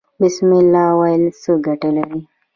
بسم الله ویل څه ګټه لري؟